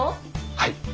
はい。